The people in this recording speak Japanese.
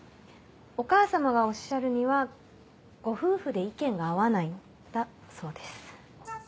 お母様がおっしゃるにはご夫婦で意見が合わないんだそうです。